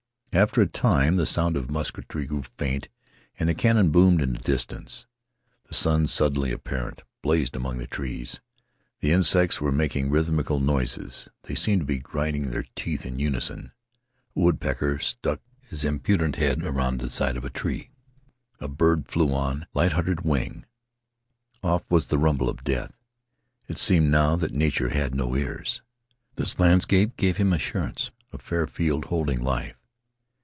After a time the sound of musketry grew faint and the cannon boomed in the distance. The sun, suddenly apparent, blazed among the trees. The insects were making rhythmical noises. They seemed to be grinding their teeth in unison. A woodpecker stuck his impudent head around the side of a tree. A bird flew on lighthearted wing. Off was the rumble of death. It seemed now that Nature had no ears. This landscape gave him assurance. A fair field holding life.